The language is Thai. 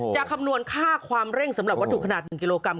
คำนวณค่าความเร่งสำหรับวัตถุขนาด๑กิโลกรัม